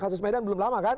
kasus medan belum lama kan